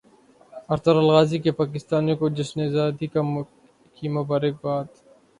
Ertugrul Ghazi کی پاکستانیوں کو جشن زادی کی مبارکباد